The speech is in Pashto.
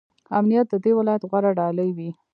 امنیت د دې ولایت غوره ډالۍ وي.